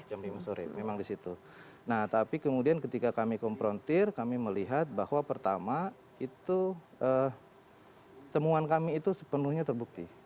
jam lima sore memang di situ nah tapi kemudian ketika kami komprontir kami melihat bahwa pertama itu temuan kami itu sepenuhnya terbukti